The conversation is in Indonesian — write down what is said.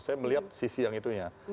saya melihat sisi yang itunya